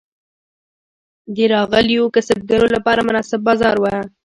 د راغلیو کسبګرو لپاره مناسب بازار و.